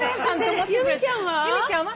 由美ちゃんは？